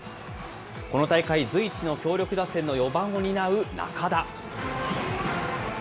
この大会随一の強力打線の４番を担う仲田。